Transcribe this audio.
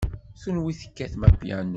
Kenwi tekkatem apyanu.